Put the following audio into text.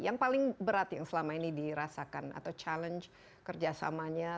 yang paling berat yang selama ini dirasakan atau challenge kerjasamanya